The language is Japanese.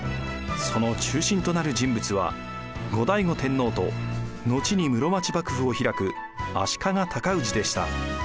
その中心となる人物は後醍醐天皇と後に室町幕府を開く足利尊氏でした。